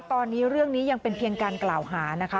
ตอนนี้เรื่องนี้ยังเป็นเพียงการกล่าวหานะคะ